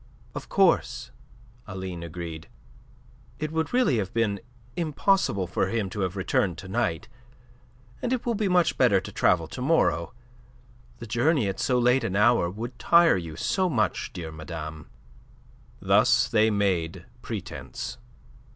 "Of course," Aline agreed. "It would really have been impossible for him to have returned to night. And it will be much better to travel to morrow. The journey at so late an hour would tire you so much, dear madame." Thus they made pretence.